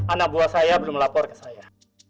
anak buah saya belum lapor ke saya